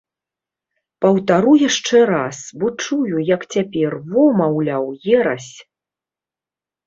Паўтару яшчэ раз, бо чую, як цяпер, во, маўляў, ерась!